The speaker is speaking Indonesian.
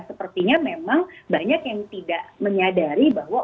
sepertinya memang banyak yang tidak menyadari bahwa